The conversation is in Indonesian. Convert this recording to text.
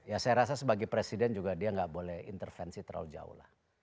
ya saya rasa sebagai presiden juga dia nggak boleh intervensi terlalu jauh lah